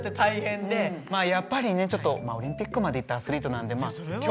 まあやっぱりねちょっとオリンピックまで行ったアスリートなんで。